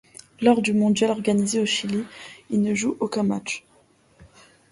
Lors du mondial organisé au Chili, il ne joue aucun match.